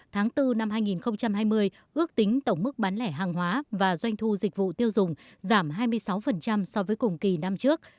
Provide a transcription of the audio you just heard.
tháng bốn năm hai nghìn hai mươi ước tính tổng mức bán lẻ hàng hóa và doanh thu dịch vụ tiêu dùng giảm hai mươi sáu so với cùng kỳ năm trước